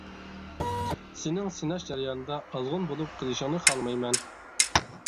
سېنىڭ سىناش جەريانىدا ئازغۇن بولۇپ قېلىشىڭنى خالىمايمەن.